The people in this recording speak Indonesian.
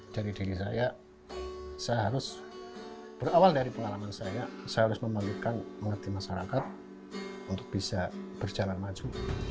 saya merasa dari diri saya saya harus berawal dari pengalaman saya saya harus memerlukan murid murid masyarakat untuk bisa berjalan maju